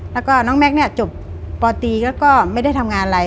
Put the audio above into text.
แล้วก็น้องแม็กซ์เนี่ยจบปตีแล้วก็ไม่ได้ทำงานอะไร